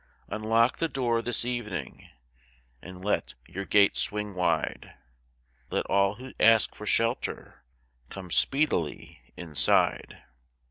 Unlock the door this evening And let your gate swing wide, Let all who ask for shelter Come speedily inside.